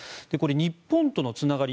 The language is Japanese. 日本とのつながり